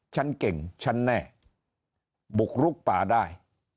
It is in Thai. ฉันเก่งฉันแน่บุกลุกป่าได้